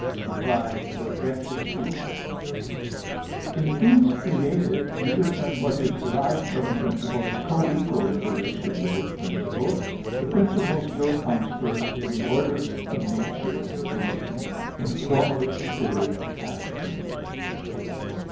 Reply Obj. 2: In things created, even when what is derived from a principle is co equal in duration with its principle, the principle still comes first in the order of nature and reason, if formally considered as principle.